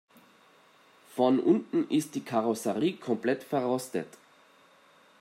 Von unten ist die Karosserie komplett verrostet.